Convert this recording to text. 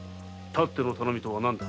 強っての頼みとは？